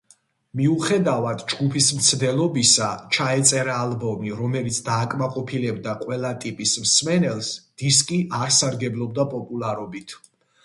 მიუხედავად ჯგუფის მცდელობისა, ჩაეწერა ალბომი, რომელიც დააკმაყოფილებდა ყველა ტიპის მსმენელს, დისკი არ სარგებლობდა პოპულარობით.